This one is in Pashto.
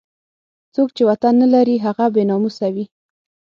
څوک چې وطن نه لري هغه بې ناموسه وي.